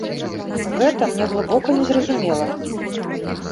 Гэта мне глыбока незразумела.